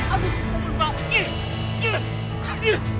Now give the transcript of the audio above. ambil kamu lempar lagi